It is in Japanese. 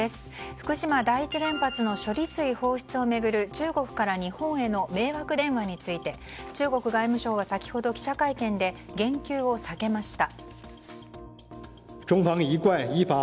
福島第一原発の処理水放出を巡る中国から日本への迷惑電話について中国外務省は先ほど記者会見で言及を避けました。